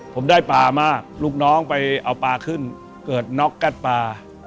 ผมได้ปลามากลูกน้องไปเอาปลาขึ้นเกิดน็อกกัดปลา